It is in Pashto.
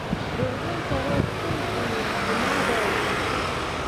• دروغجن سړی تل بې اعتماده وي.